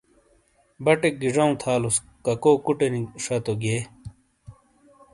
بَٹیک گی جَؤں تھالوس کاکو کُوٹے نی شَتو گِئے۔